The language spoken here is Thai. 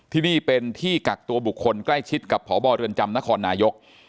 ที่นี่เป็นที่กักตัวบุคคลใกล้ชิดกับพบเรือนจำนครนายก